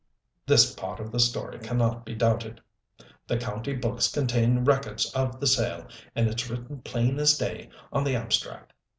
"This part of the story can not be doubted. The county books contain records of the sale, and it's written, plain as day, on the abstract.